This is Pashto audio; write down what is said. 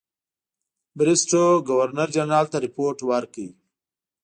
بریسټو ګورنرجنرال ته رپوټ ورکړ.